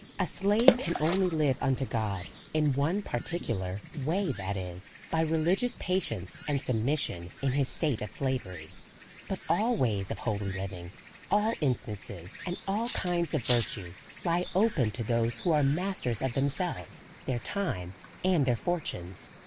A slave can only live unto God in one particular DEVOUT AND HOLY LIFE. 49 way ; that is, by religious patience and submission in his state of slavery. But all ways of holy living, all instances, and all kinds of virtue, lie open to those who are masters of themselves, their time, and their fortunes.